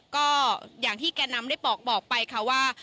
ก็อย่างที่แก่นำได้บอกไปค่ะว่า